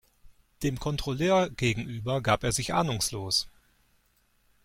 Dem Kontrolleur gegenüber gab er sich ahnungslos.